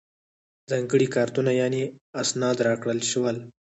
ځانګړي کارتونه یعنې اسناد راکړل شول.